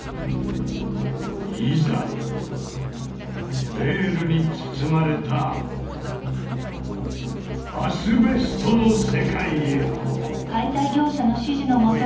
いざベールに包まれたアスベストの世界へ！